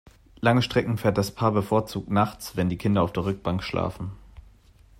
Lange Strecken fährt das Paar bevorzugt nachts, wenn die Kinder auf der Rückbank schlafen.